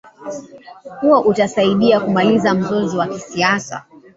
kuwa utasaidia kumaliza mzozo wa kisiasa